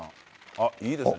あっいいですね。